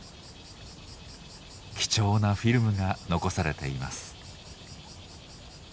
貴重なフィルムが残されています。